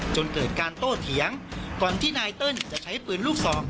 จนเกิดการโต้เถียงก่อนที่นายเติ้ลจะใช้ปืนลูกสอง